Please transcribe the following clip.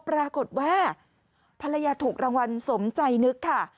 ปรากฏว่าภรรยาถูกรางวัลสมใจนึกค่ะ